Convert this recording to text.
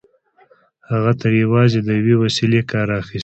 هغه ترې یوازې د یوې وسيلې کار اخيست